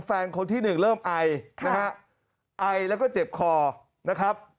แฟนคนที่หนึ่งเริ่มไอนะฮะไอแล้วก็เจ็บคอนะครับ